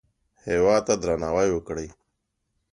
هېواد ته درناوی وکړئ